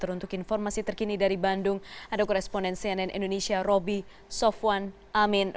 untuk informasi terkini dari bandung ada koresponden cnn indonesia roby sofwan amin